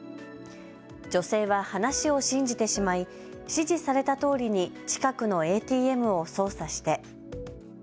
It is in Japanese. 女性は話を信じてしまい指示されたとおりに近くのＡＴＭを操作して。